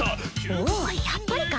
おぉやっぱりか！